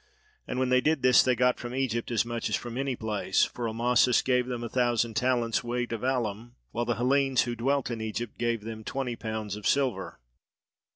And when they did this they got from Egypt as much as from any place, for Amasis gave them a thousand talents' weight of alum, while the Hellenes who dwelt in Egypt gave them twenty pounds of silver.